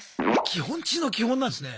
基本中の基本なんですね。